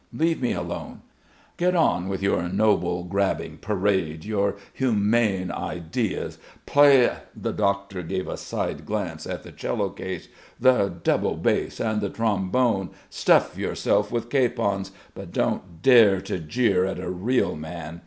Leave me alone I Get on with your noble grabbing, parade your humane ideas, play " the doctor gave a side glance at the cello case "the double bass and the trombone, stuff yourselves like capons, but don't dare to jeer at a real man!